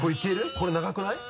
これ長くない？